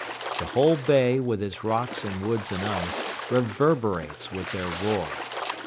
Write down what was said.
The whole bay, with its rocks and woods and ice, reverberates with their roar.